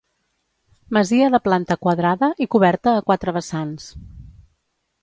Masia de planta quadrada i coberta a quatre vessants.